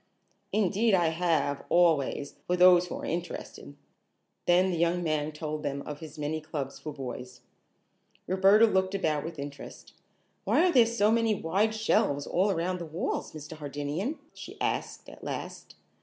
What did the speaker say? "Indeed I have, always, for those who are interested." Then the young man told them of his many clubs for boys. Roberta looked about with interest. "Why are there so many wide shelves all around the walls, Mr. Hardinian?" she asked at last.